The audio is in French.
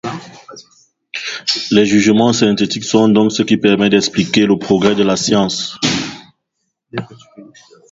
Les jugements synthétiques sont donc ce qui permet d'expliquer le progrès de la science.